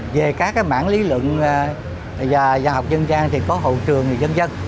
về các cái mảng lý lượng và giáo học dân gian thì có hậu trường người dân dân